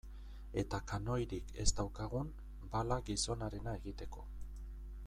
Eta kanoirik ez daukagun, bala gizonarena egiteko.